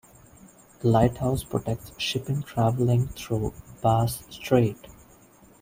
The lighthouse protects shipping travelling through Bass Strait.